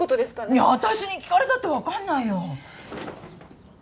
いや私に聞かれたってわかんないよ。